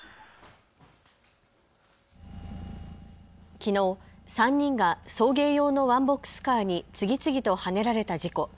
きのう３人が送迎用のワンボックスカーに次々とはねられた事故。